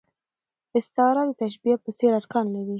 استعاره د تشبېه په څېر ارکان لري.